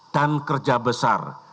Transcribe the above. dan kerja besar